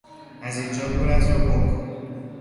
از اینجا گورت را گم کن!